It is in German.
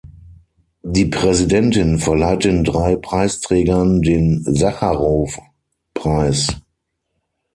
Die Präsidentin verleiht den drei Preisträgern den Sacharow-Preis.